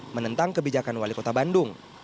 menentang kebijakan wali kota bandung